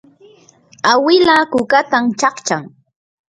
awila kukatan chaqchan.